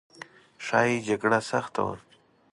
ښایي جګړه سخته وه.